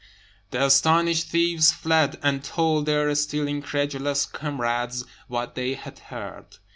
The astonished thieves fled, and told their still incredulous comrades what they had heard.